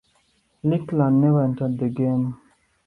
Lechler never entered the game.